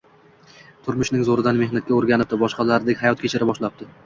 Turmushning zo'ridan mehnatga o'rganibdi, boshqalardek hayot kechira boshlabdi